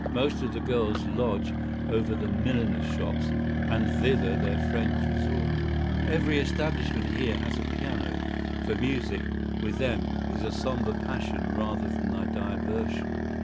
Most of the girls lodge over the milliners' shops, and thither their friends resort. Every establishment here has a piano, for music, with them, is a somber passion rather than a diversion.